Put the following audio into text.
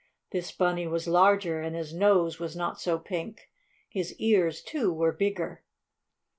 This bunny was larger, and his nose was not so pink. His ears, too, were bigger.